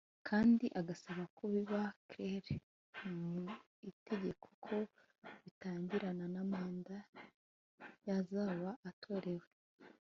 kandi agasaba ko biba « claire » mu itegeko ko bitangirana na manda yazaba atorewe